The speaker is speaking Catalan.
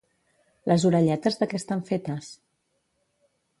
Les orelletes de què estan fetes?